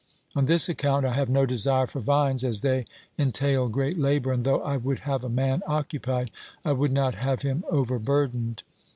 On this account I have no desire for vines, as they entail great labour, and though I would have a man occupied, I would not have him overburdened.